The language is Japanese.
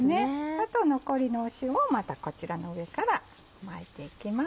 あと残りの塩をまたこちらの上からまいていきます。